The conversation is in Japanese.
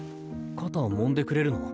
肩もんでくれるの？